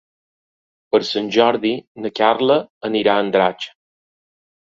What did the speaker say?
Per Sant Jordi na Carla anirà a Andratx.